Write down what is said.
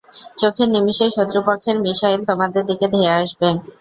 চোখের নিমিষেই শত্রুপক্ষের মিশাইল তোমাদের দিকে ধেয়ে আসবে।